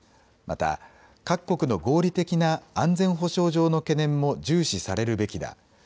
また、各国の合理的な安全保障上の懸念も重視されるべきだ。